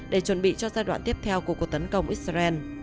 để chuẩn bị cho giai đoạn tiếp theo của cuộc tấn công israel